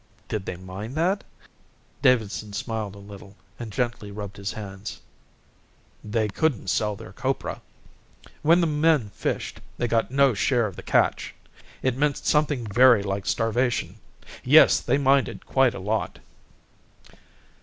"Did they mind that?" Davidson smiled a little and gently rubbed his hands. "They couldn't sell their copra. When the men fished they got no share of the catch. It meant something very like starvation. Yes, they minded quite a lot."